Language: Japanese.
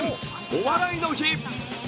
「お笑いの日」。